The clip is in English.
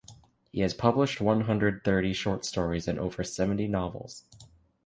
He has published one hundred thirty short stories and over seventy novels.